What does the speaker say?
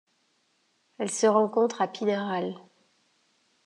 Elle se rencontre à Pinheiral.